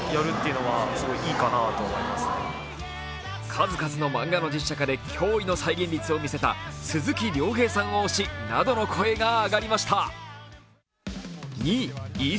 数々の漫画の実写化で驚異の再現率を見せた鈴木亮平さん推しなどの声が上がりました。